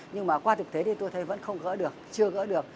nhưng mà qua thực tế thì tôi thấy vẫn không gỡ được chưa gỡ được